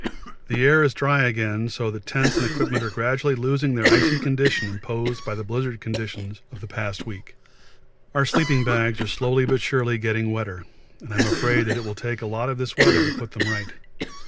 The air is dry again, so that tents and equipment are gradually losing their icy condition imposed by the blizzard conditions of the past week. Our sleeping bags are slowly but surely getting wetter and I'm afraid it will take a lot of this weather to put them right.